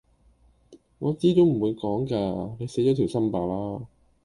我知都唔會講㗎⋯你死左條心罷啦～